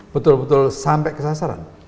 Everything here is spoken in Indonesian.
betul betul sampai ke sasaran